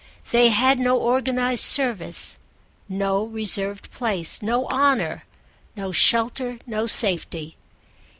They had no organised service, no reserved place, no honour, no shelter, no safety.